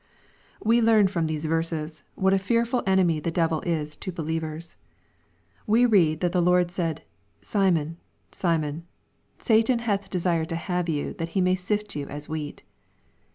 We learn, from these verses, whaJt a fearful entmy the devil ia to believers We read that "the Lord said, Simon, Simon, Satan hath desired to have you, that he may sift you as wheat."